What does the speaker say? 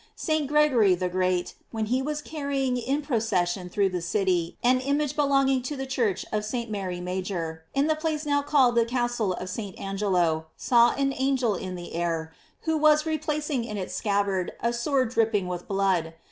St. Gregory the Great, when he was carrying in procession through the city an image belonging to the church of St. Mary Major, in the place now called the Cas tleof St, Angelo, saw an angel in the air, who waa replacing in its scabbard a sword dripping with blood.